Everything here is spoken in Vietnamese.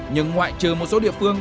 nhưng ngoại trừ một số địa phương